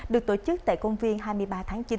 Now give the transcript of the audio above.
được tổ chức tại công viên hai mươi ba tháng chín